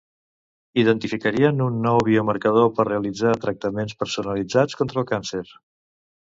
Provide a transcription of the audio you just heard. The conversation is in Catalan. Identificarien un nou biomarcador per realitzar tractaments personalitzats contra el càncer.